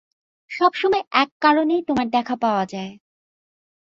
সবসময় এক কারণেই তোমার দেখা পাওয়া যায়।